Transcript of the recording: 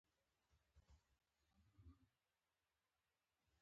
د دغو یرغلګرو ولکې سوداګري او کرنه له لاسه ورکړل شوه.